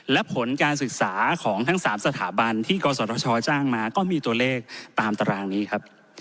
และผลการศึกษาของทั้ง๓สถาบันที่กศชจ้างมาก็มีตัวเลขตามตารางนี้ครับ